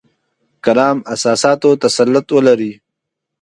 کلام اساساتو تسلط ولري.